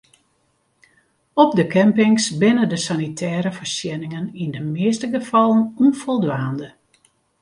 Op de campings binne de sanitêre foarsjenningen yn de measte gefallen ûnfoldwaande.